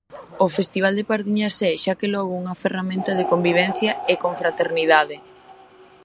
O festival de Pardiñas é, xa que logo, unha ferramenta de convivencia e confraternidade.